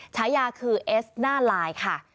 ฉายาคือเอสหน้าลายค่ะ